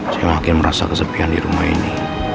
saya makin merasa kesepian di rumah ini